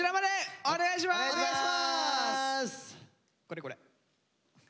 これこれ。